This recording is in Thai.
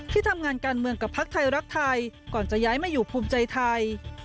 ที่ทำงานการเมืองกับพักไทยรักไทยก่อนจะย้ายมาอยู่ภูมิใจไทย